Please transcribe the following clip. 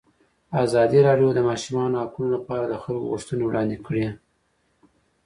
ازادي راډیو د د ماشومانو حقونه لپاره د خلکو غوښتنې وړاندې کړي.